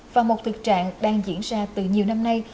và một thực trạng đang diễn ra từ nhiều năm nay